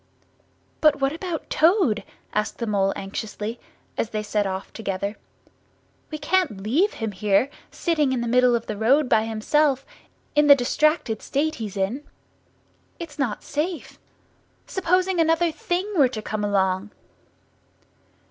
"But what about Toad?" asked the Mole anxiously, as they set off together. "We can't leave him here, sitting in the middle of the road by himself, in the distracted state he's in! It's not safe. Supposing another Thing were to come along?"